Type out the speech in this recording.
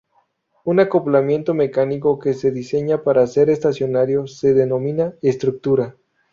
Un acoplamiento mecánico que se diseña para ser estacionario se denomina "estructura".